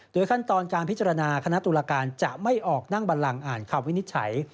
ขั้นตอนการพิจารณาคณะตุลาการจะไม่ออกนั่งบันลังอ่านคำวินิจฉัย